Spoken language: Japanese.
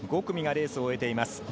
５組がレースを終えています。